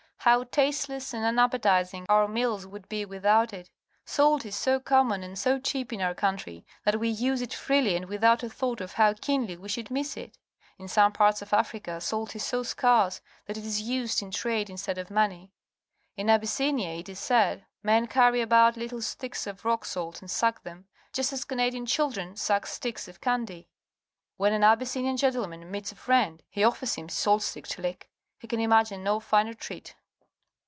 How tasteless and unappetizing our meals would be without it! Salt is so common and so cheap in our country that we use it freely and without a thought of how keenly we THE OCEAN 47 should miss it. In some parts of Africa salt is so scarce that it is used in trade instead of money. In Abyssinia, it is said, men carry about little sticks of rock salt and suck them, just as Canadian children suck sticks of candy. "Wlien an Abys sinian gentleman meets a friend, he offers him his salt stick to lick. He can imagine no finer treat.